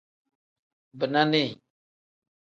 Bina nii.